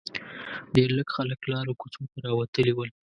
ډېر لږ خلک لارو کوڅو ته راوتلي ول.